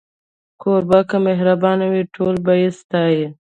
کوربه که مهربانه وي، ټول به يې ستایي.